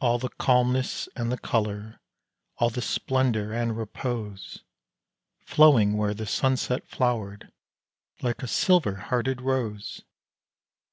All the calmness and the colour all the splendour and repose, Flowing where the sunset flowered, like a silver hearted rose!